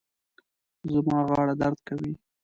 زما غاړه درد کوي